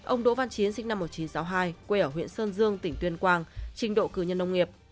ông đỗ văn chiến sinh năm một nghìn chín trăm sáu mươi hai quê ở huyện sơn dương tỉnh tuyên quang trình độ cử nhân nông nghiệp